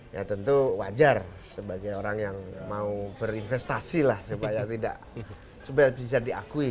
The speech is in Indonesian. ya tentu wajar sebagai orang yang mau berinvestasi lah supaya tidak supaya bisa diakui